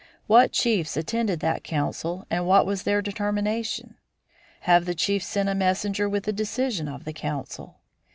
What chiefs attended that council and what was their determination? Have the chiefs sent a messenger with the decision of the council?